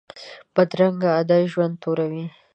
بدرنګه عادت ژوند توروي